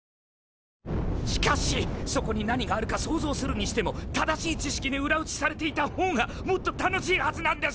しかしそこに何があるか想像するにしても正しい知識に裏打ちされていた方がもっと楽しいはずなんです！